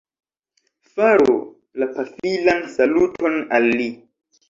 Faru la pafilan saluton al li